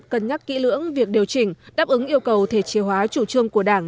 cân nhắc kỹ lưỡng việc điều chỉnh đáp ứng yêu cầu thể chế hóa chủ trương của đảng